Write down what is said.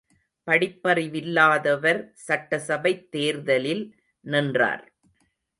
படிப்பறிவில்லாதவர் சட்டசபைத் தேர்தலில் நின்றார்.